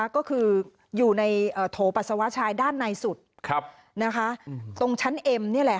ก็คืออยู่ในโถปัสสาวะชายด้านในสุดตรงชั้นเอ็มนี่แหละ